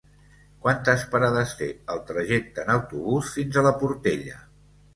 Quantes parades té el trajecte en autobús fins a la Portella?